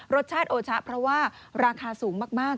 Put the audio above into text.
รสชาติโอชะเพราะว่าราคาสูงมาก